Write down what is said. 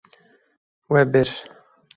We bir.